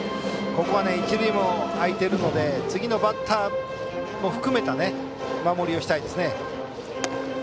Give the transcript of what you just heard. ここは一塁も空いているので次のバッターも含めた守りをしたいですね。